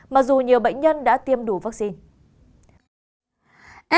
mặc dù nhiều bệnh nhân đã tiêm đủ vaccine